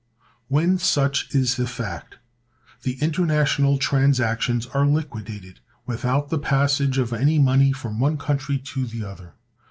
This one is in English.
When such is the fact, the international transactions are liquidated without the passage of any money from one country to the other.